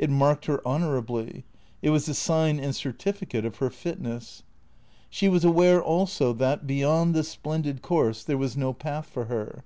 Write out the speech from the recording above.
It marked her honourably; it was the sign and certificate of her fitness. She was aware also that, beyond the splendid course, there was no path for her.